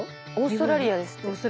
オーストラリアですって。